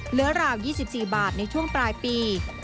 ราว๒๔บาทในช่วงปลายปี